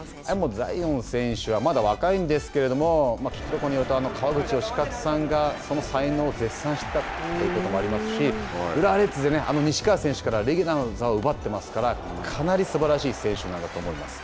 彩艶選手はまだ若いんですけれども聞くところによると才能を絶賛したということもありますし、浦和レッズで西川選手からレギュラーの座を奪っていますからかなりすばらしい選手なんだと思います。